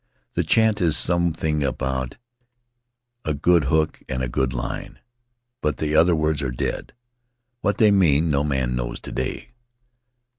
9 This chant is something about a good hook and a good line, but the other words are dead — what they mean no man knows to day.